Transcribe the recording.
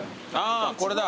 あこれだ。